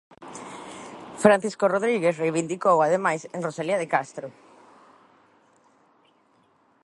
Francisco Rodríguez reivindicou ademais en Rosalía de Castro.